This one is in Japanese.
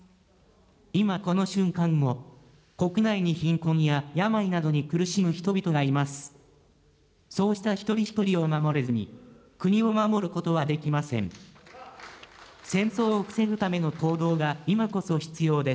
今この瞬間も、国内に貧困や病などに苦しむ人々がいます。